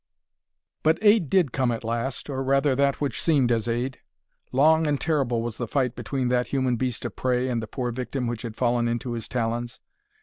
But aid did come at last, or rather that which seemed as aid. Long and terrible was the fight between that human beast of prey and the poor victim which had fallen into his talons.